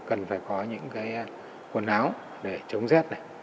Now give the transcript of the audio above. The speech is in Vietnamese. cần phải có những cái quần áo để chống rét này